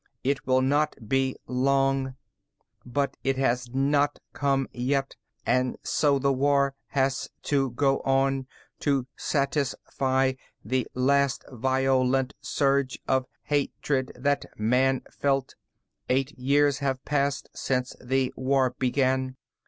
It will not be long "But it has not come yet, and so the war had to go on, to satisfy the last violent surge of hatred that Man felt. Eight years have passed since the war began.